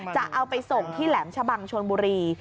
จะเอาไปส่งที่แหลมชะบังชนบุรี